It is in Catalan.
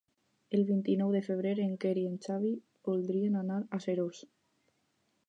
El vint-i-nou de febrer en Quer i en Xavi voldrien anar a Seròs.